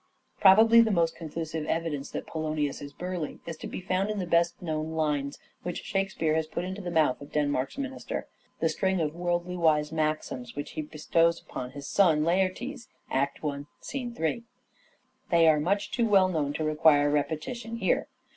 Probably the most conclusive evidence that Polonius is Burleigh is to be found in the best known lines which Shakespeare has put into the mouth of Denmark's minister — the string of worldly wise maxims which he bestows upon his son Laertes (Act I. 3). They are much too well known to require repetition here.